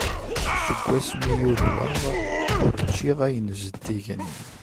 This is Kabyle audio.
Seg wasmi i yurweɣ, ur ččiɣ ayen zeddigen.